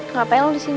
ngapain lo disini